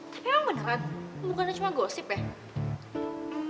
tapi emang beneran bukan cuma gosip ya